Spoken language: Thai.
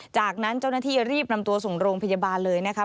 จากนั้นเจ้าหน้าที่รีบนำตัวส่งโรงพยาบาลเลยนะครับ